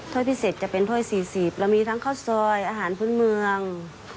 ถ้วยพิเศษจะเป็นถ้วย๔๐เรามีทั้งข้าวซอยอาหารพื้นเมือง